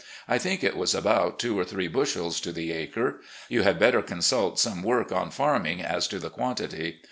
I t hink it was about two or three bushels to the acre. You had better consult some work on farming as to the quantity.